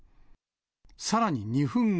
さらに２分後。